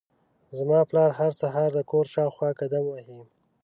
زما پلار هر سهار د کور شاوخوا قدم وهي.